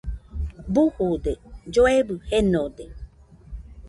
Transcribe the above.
Bujude, lloebɨ jenode